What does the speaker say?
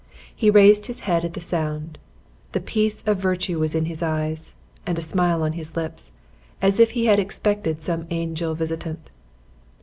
He raised his head at the sound. The peace of virtue was in his eyes, and a smile on his lips, as if he had expected some angel visitant.